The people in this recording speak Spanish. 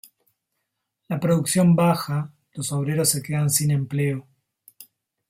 La producción baja, los obreros se quedan sin empleo.